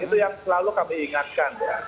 itu yang selalu kami ingatkan ya